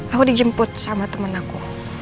aku dijemput sama teman aku